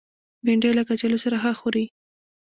بېنډۍ له کچالو سره ښه خوري